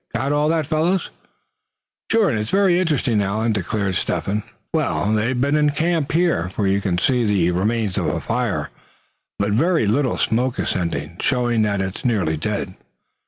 Got all that, fellows?" "Sure, and it's some interesting, Allan," declared Step hen. "Well, they've been in camp here, for you can see the remains of a fire, but with very little smoke ascending, showing that it is nearly dead.